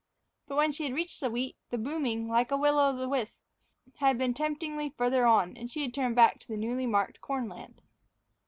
But when she had reached the wheat, the booming, like a will o' the wisp, had been temptingly farther on; and she had turned back to the newly marked corn land.